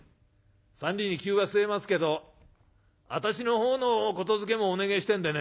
三里に灸は据えますけどあたしのほうの言づけもお願えしてえんでね」。